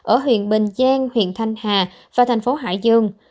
ở huyện bình giang huyện thanh hà và thành phố hải dương